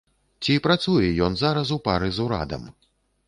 Ці працуе ён зараз у пары з урадам?